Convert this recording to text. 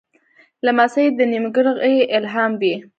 لمسی د نېکمرغۍ الهام وي.